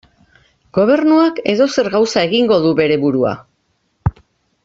Gobernuak edozer gauza egingo du bere burua.